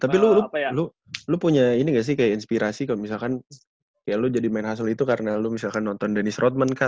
tapi lu punya ini gak sih kayak inspirasi kalau misalkan kayak lu jadi main hustle itu karena lu misalkan nonton dennis rodman kak